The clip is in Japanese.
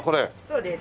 そうです。